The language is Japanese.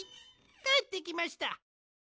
かえってきました。